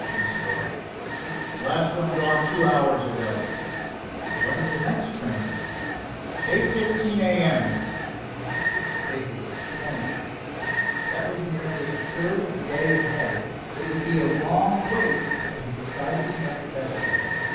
he spoke. "Last one gone two hours ago." "When is the next train?" "8:15 A. M." Dave was disappointed. That was nearly a third of a day ahead. It would be a long wait, but he decided to make the best of it.